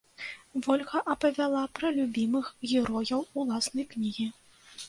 Вольга апавяла пра любімых герояў уласнай кнігі.